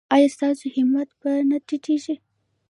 ایا ستاسو همت به نه ټیټیږي؟